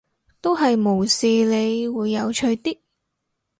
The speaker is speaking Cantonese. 都係無視你會有趣啲